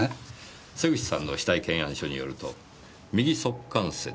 瀬口さんの死体検案書によると右足関節